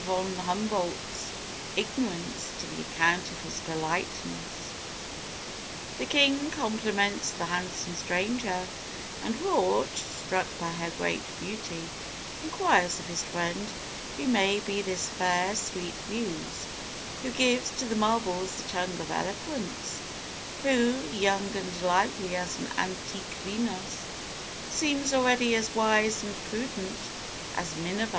von Humboldt's ignorance to the account of his politeness. "The king compliments the handsome stranger, and Rauch, struck by her great beauty, inquires of his friend who may be this fair, sweet Muse, who gives to the marbles the tongue of eloquence, who, young and lovely as an antique Venus, seems already as wise and prudent as Minerva.